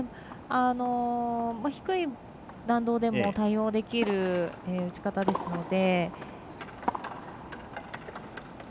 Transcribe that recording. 低い弾道でも対応できる打ち方ですので。